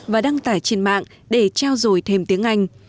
và đăng tải trên mạng để trao dồi thêm tiếng anh